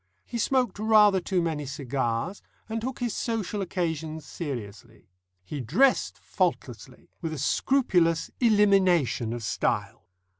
He smoked rather too many cigars, and took his social occasions seriously. He dressed faultlessly, with a scrupulous elimination of style.